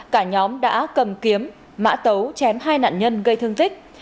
cả nhóm đã cầm kiếm mã tấu chém hai nạn nhân gây thương tích